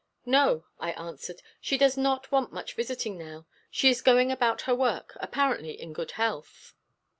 "No," I answered. "She does not want much visiting now; she is going about her work, apparently in good health.